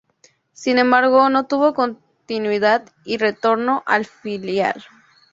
Sin embargo, no tuvo continuidad y retornó al filial.